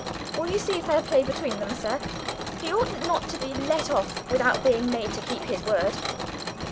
"Will you see fair play between them, sir? He oughtn't to be let off without being made to keep his word."